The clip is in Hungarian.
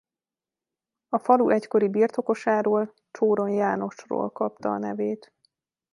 A falu egykori birtokosáról Csóron Jánosról kapta a nevét.